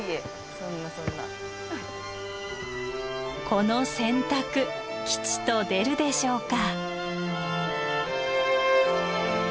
この選択吉と出るでしょうか。